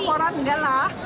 makan enggak lah